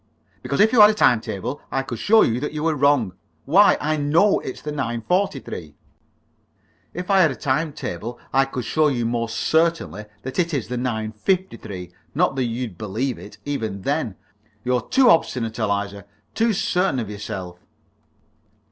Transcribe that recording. "No." "Because if you had a time table I could show you that you are wrong. Why, I know it's the 9.43." "If I had a time table I could show you most certainly that it is the 9.53. Not that you'd believe it, even then. You're too obstinate, Eliza too certain of yourself!"